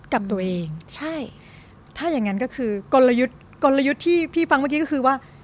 กับตัวเองใช่ถ้าอย่างงั้นก็คือกลยุทธ์กลยุทธ์ที่พี่ฟังเมื่อกี้ก็คือว่า